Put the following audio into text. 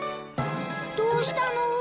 どうしたの？